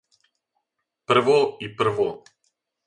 Прво и прво.